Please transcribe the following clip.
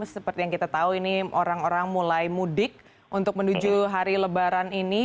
seperti yang kita tahu ini orang orang mulai mudik untuk menuju hari lebaran ini